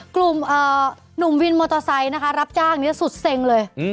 กลุ่มหนุ่มวินโมทอไซค์รับจ้างเนี่ยสุดเซงเลย